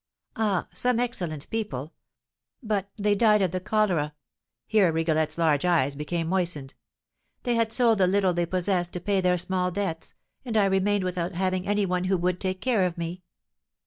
"Ah, some excellent people! But they died of the cholera;" here Rigolette's large eyes became moistened. "They had sold the little they possessed to pay their small debts, and I remained without having any one who would take care of me.